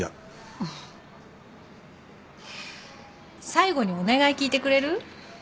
最後にお願い聞いてくれる？